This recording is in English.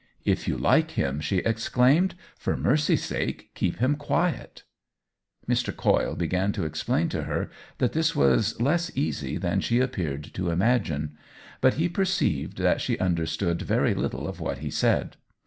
" If you like him," she exclaimed, " for mercy's sake, keep him quiet !" Mr. Coyle began to explain to her that this was less easy than she appeared to imagine ; but he perceived that she under stood very little of what he said.